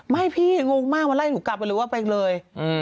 ไม่พี่งงมากมาไล่หนูกลับไปเลย